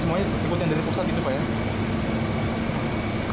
semuanya ikutin dari pusat gitu pak